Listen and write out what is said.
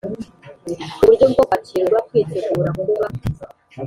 Uburyo bwo kwakirwa kwitegura kuba